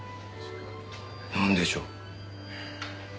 なんでしょう？